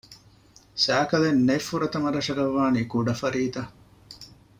ސައިކަލެއް ނެތް ފުރަތަމަ ރަށަކަށް ވާނީ ކުޑަފަރީތަ؟